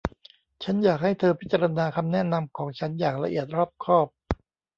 ฉันอยากให้เธอพิจารณาคำแนะนำของฉันอย่างละเอียดรอบคอบ